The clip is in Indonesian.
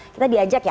kita diajak ya